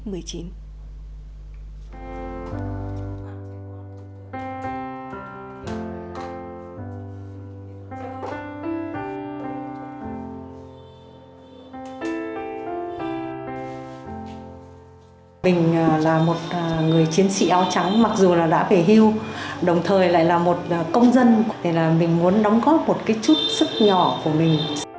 mình là một người chiến sĩ áo trắng mặc dù đã về hưu đồng thời lại là một công dân mình muốn đóng góp một chút sức nhỏ của mình